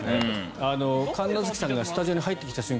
神奈月さんがスタジオに入ってきた瞬間